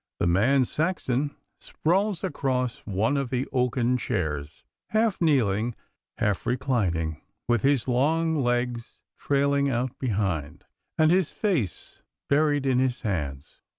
The man Saxon sprawls across one of the oaken chairs, half kneeling, half reclining, with his long legs trailing out behind, and his face buried in his hands.